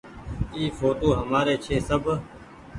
اي ڦوٽو همآري ڇي۔ سب ۔